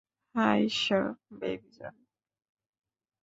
হায় ইশ্বর, বেবি জন।